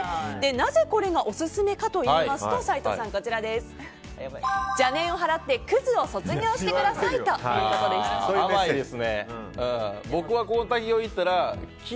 なぜこれがオススメかといいますと邪念を払ってクズを卒業してくださいということです。